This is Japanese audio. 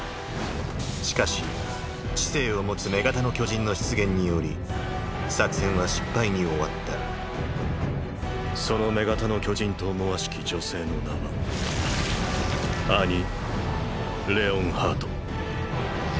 しかし知性を持つ「女型の巨人」の出現により作戦は失敗に終わったその女型の巨人と思わしき女性の名はアニ・レオンハート。